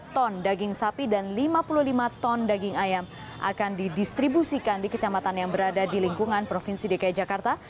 empat ton daging sapi dan lima puluh lima ton daging ayam akan didistribusikan di kecamatan yang berada di lingkungan provinsi dki jakarta